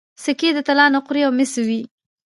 سکې د طلا نقرې او مسو وې